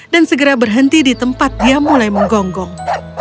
dan segera berhenti di tempat dia mulai menggonggong